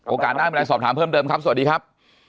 โอกาสนี้ก็ได้สอบถามเพิ่มเดิมครับ